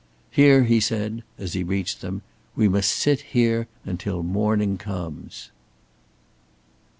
"Here!" he said, as he reached them. "We must sit here until the morning comes."